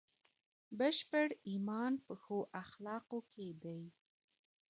بشپړ ایمان په ښو اخلاقو کې دی.